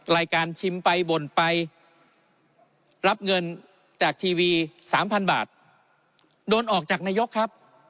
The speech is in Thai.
ชิมไปบ่นไปรับเงินจากทีวีสามพันบาทโดนออกจากนายกครับ